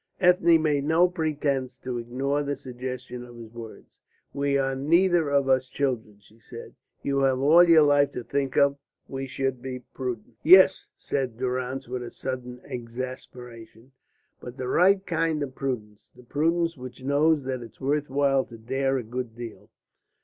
Ethne made no pretence to ignore the suggestion of his words. "We are neither of us children," she said; "you have all your life to think of. We should be prudent." "Yes," said Durrance, with a sudden exasperation, "but the right kind of prudence. The prudence which knows that it's worth while to dare a good deal."